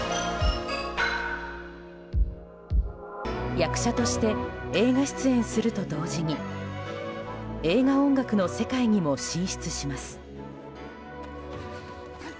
役者として映画出演すると同時に映画音楽の世界にも進出します。